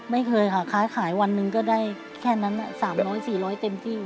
ไม่เคยค่ะค้าขายวันหนึ่งก็ได้แค่นั้น๓๐๐๔๐๐เต็มที่